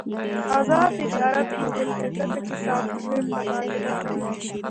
آزاد تجارت مهم دی ځکه چې سافټویر تبادله کوي.